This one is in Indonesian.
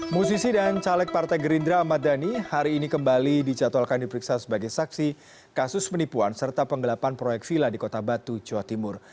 musisi dan caleg partai gerindra ahmad dhani hari ini kembali dicatalkan diperiksa sebagai saksi kasus penipuan serta penggelapan proyek villa di kota batu jawa timur